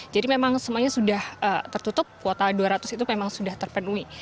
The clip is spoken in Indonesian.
jadi memang semuanya sudah tertutup kuota dua ratus itu memang sudah terpenuhi